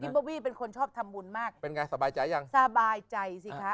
โบวี่เป็นคนชอบทำบุญมากเป็นไงสบายใจยังสบายใจสิคะ